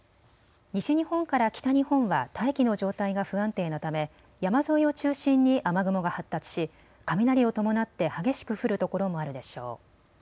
西日本から北日本は大気の状態が不安定なため山沿いを中心に雨雲が発達し雷を伴って激しく降る所もあるでしょう。